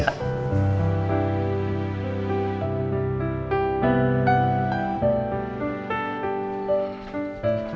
nanti aku misalnya